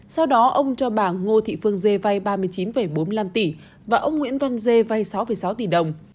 sau đó ông cho bà ngô thị phương dê vay ba mươi chín bốn mươi năm tỷ và ông nguyễn văn dê vay sáu sáu tỷ đồng